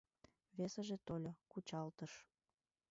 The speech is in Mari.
Весыже тольо — кучалтыш.